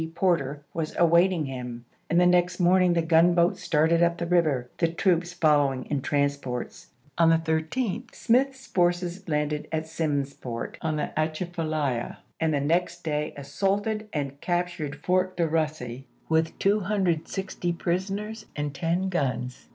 Porter, was awaiting him, and the next morning the gunboats started up the river, the troops following in transports. On the 13th Smith's forces landed at Simsport on the Atcha falaya, and the next day assaulted and captured Fort de Russy with 260 prisoners and ten guns.